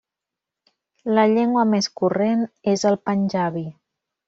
La llengua més corrent és el panjabi.